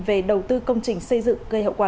về đầu tư công trình xây dựng gây hậu quả